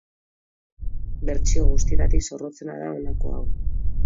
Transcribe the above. Bertsio guztietatik zorrotzena da honako hau.